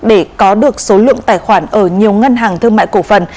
để có được số lượng tài khoản ở nhiều ngân hàng thương mại cổ phần